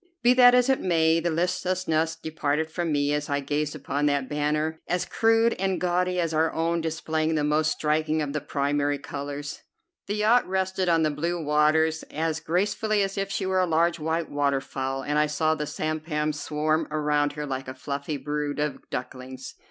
Be that as it may, the listlessness departed from me as I gazed upon that banner, as crude and gaudy as our own, displaying the most striking of the primary colors. The yacht rested on the blue waters as gracefully as if she were a large white waterfowl, and I saw the sampans swarm around her like a fluffy brood of ducklings.